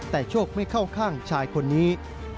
แต่โชคไม่เข้าข้างชายคนนี้